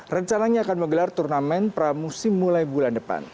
rencananya akan menggelar turnamen pramusim mulai bulan depan